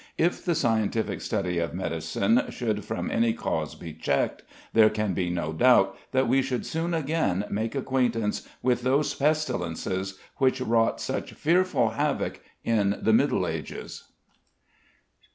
If the scientific study of medicine should from any cause be checked, there can be no doubt that we should soon again make acquaintance with those pestilences which wrought such fearful havoc in the Middle Ages.